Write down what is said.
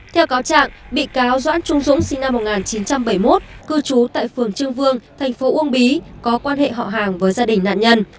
theo cáo trạng bị cáo doãn trung dũng sinh năm một nghìn chín trăm bảy mươi một cư trú tại phường trương vương thành phố uông bí có quan hệ họ hàng với gia đình nạn nhân